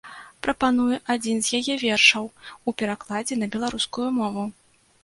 Прапаную адзін з яе вершаў у перакладзе на беларускую мову.